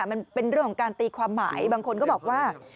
มันเป็นเรื่องของการตีความหมายบางคนก็บอกว่า